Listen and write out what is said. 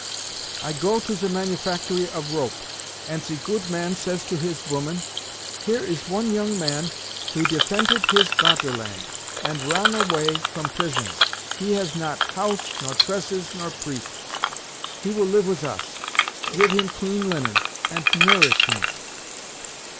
"I go to ze manufactory of rope, ant ze goot man says to his voman, 'Here is one yong man who defented his Vaterland, ant ron away from prisons. He has not house nor tresses nor preat. He will live wis os. Give him clean linen, ant norish him.